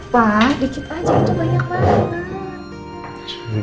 wah dikit aja itu banyak banget